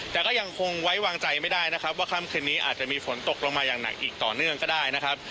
แต่ก็ยังคงไว้วางใจไม่ได้นะครับว่าค่ำคืนนี้อาจจะมีฝนตกลงมาอย่างหนักอีกต่อเนื่องก็ได้นะครับ